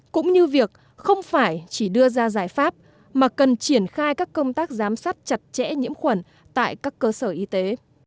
cũng như việc không phải chỉ đưa ra giải pháp mà cần triển khai các công tác giám sát chặt chẽ nhiễm khuẩn tại các cơ sở y tế